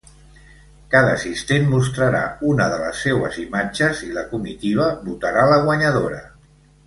Cada assistent mostrarà una de les seues imatges i la comitiva votarà la guanyadora.